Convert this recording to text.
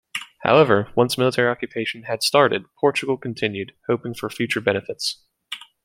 However, once military occupation had started, Portugal continued, hoping for future benefits.